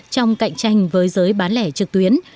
trong cạnh tranh với giới bán lệ trực tuyến